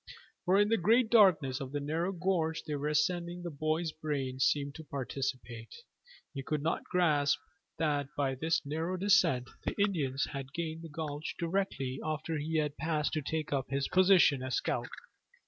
For in the great darkness of the narrow gorge they were ascending the boy's brain seemed to participate. He could not grasp that by this narrow descent the Indians had gained the gulch directly after he had passed to take up his position as scout.